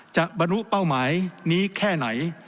จะบรู้เป้าหมายนี้แค่ไหน